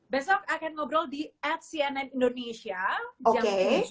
besok akan ngobrol di at cnn indonesia jam tujuh